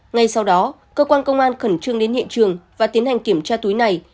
ngay sau đó cơ quan công an khẩn trương đến hiện trường và tiến hành kiểm tra túi này